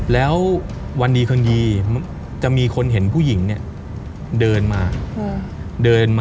แล้ววันดีครั้งดีจะมีคนเห็นผู้หญิงเนี่ย